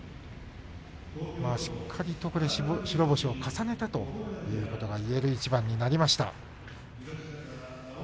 しっかりと白星を重ねたということがいえる一番になりました。